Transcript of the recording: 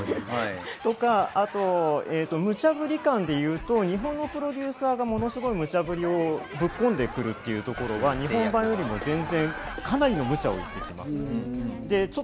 あと、ムチャブリ間でいうと日本のプロデューサーがものすごいムチャぶりをぶっこんでくるというところが日本版よりも全然かなりのムチャを言ってきます。